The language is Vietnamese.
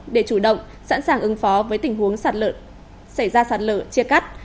để chủ động sẵn sàng ứng phó với tình huống xả lỡ xảy ra xả lỡ chia cắt